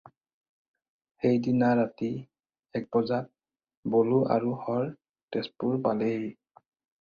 সেই দিনা ৰাতি এক বজাত বলো আৰু হৰ তেজপুৰ পালেহি।